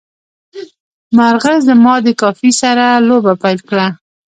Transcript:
مرغه زما د کافي سره لوبه پیل کړه.